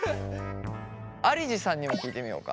有路さんにも聞いてみようか。